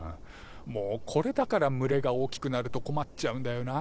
もうこれだから群れが大きくなると困っちゃうんだよな。